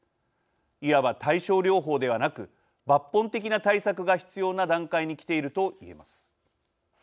いわば対症療法ではなく抜本的な対策が必要な段階にきていると言えます。